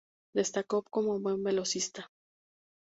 Destacó como buen velocista.